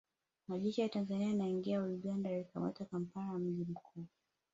Majeshi ya Tanzania yanaingia Uganda yakikamata Kampala mji mkuu